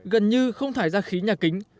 gần như không thải ra khí nhà kính